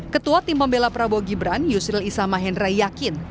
ketua tim pembela prabowo gibran yusril isamahendra yakin